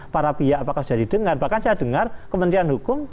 para pihak apakah sudah didengar bahkan saya dengar kementerian hukum